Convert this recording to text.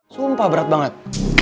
sumpah berat banget